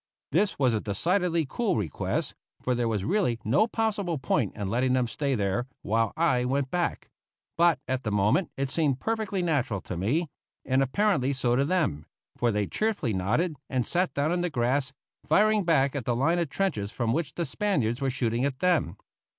This was a decidedly cool request, for there was really no possible point in letting them stay there while I went back; but at the moment it seemed perfectly natural to me, and apparently so to them, for they cheerfully nodded, and sat down in the grass, firing back at the line of trenches from which the Spaniards were shooting at them.